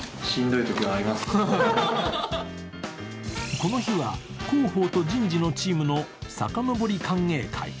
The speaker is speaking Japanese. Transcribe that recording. この日は広報と人事のチームのさかのぼり歓迎会。